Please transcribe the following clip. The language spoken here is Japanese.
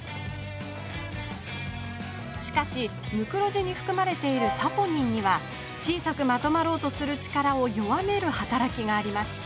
しかしムクロジにふくまれているサポニンには小さくまとまろうとする力を弱める働きがあります。